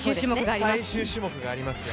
最終種目がありますよ。